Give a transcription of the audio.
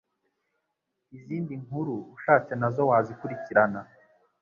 Izindi Nkuru ushatse nazo wazikurikirana